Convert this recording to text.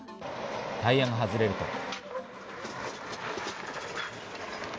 タイヤが外れると。